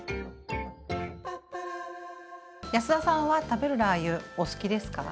安田さんは食べるラー油お好きですか？